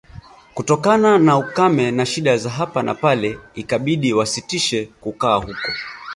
Kutokana na ukame na shida za hapa na pale ikabidi wasitishe kukaa huko